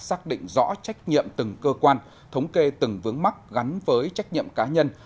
xác định rõ trách nhiệm từng cơ quan thống kê từng vướng mắc gắn với trách nhiệm cá nhân